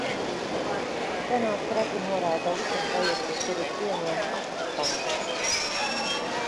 Senāts reti noraida likumprojektus, kurus pieņēma apakšpalāta.